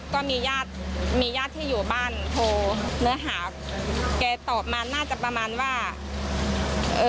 ก็มีญาติมีญาติที่อยู่บ้านโทรเนื้อหาแกตอบมาน่าจะประมาณว่าเอ่อ